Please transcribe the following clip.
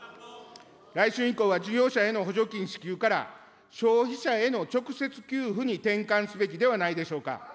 来春以降は事業者への補助金支給から消費者への直接給付に転換すべきではないでしょうか。